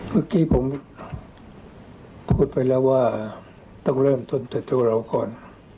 เมื่อกี้ผมพูดไปแล้วว่าต้องเริ่มต้นแต่ตัวเราก่อน